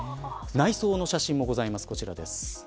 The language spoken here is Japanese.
内装の写真もございます。